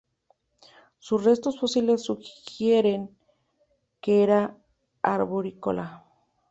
Sus restos fósiles sugieren que era arborícola.